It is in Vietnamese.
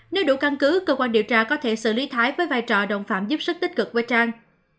nếu đủ căn cứ cơ quan điều tra có thể xử lý thái với vai trò đồng phạm giúp sức tích cực với trang